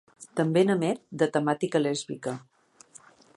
També n'emet de temàtica lèsbica.